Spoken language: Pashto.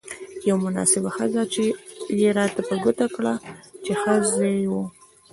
یوه مناسبه خزه يې راته په ګوته کړه، چې ښه ځای وو.